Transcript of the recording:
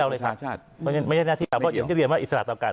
ไม่ใช่หน้าที่เราเลยครับไม่ใช่หน้าที่เราเพราะเดี๋ยวเรียนว่าอิสระต่อกัน